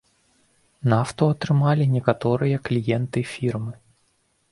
Нафту атрымалі некаторыя кліенты фірмы.